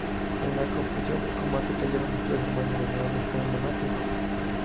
En la confusión del combate cayeron los tres hermanos Delgado: Juan, Donato y Ramón.